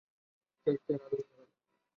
চেহারা আলোকোজ্জ্বল হল।